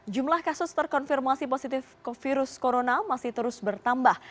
jumlah kasus terkonfirmasi positif virus corona masih terus bertambah